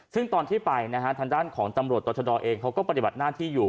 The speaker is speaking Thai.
ซึ่งตอนที่ไปนะฮะทางด้านของตำรวจต่อชะดอเองเขาก็ปฏิบัติหน้าที่อยู่